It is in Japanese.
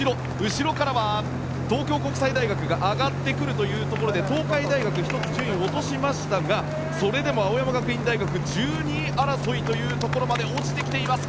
後ろからは東京国際大学が上がってくるというところで東海大学１つ順位を落としましたがそれでも青山学院大学１２位争いまで落ちてきています。